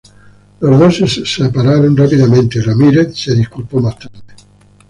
Los dos se separaron rápidamente, y "Ramírez" se disculpó más tarde.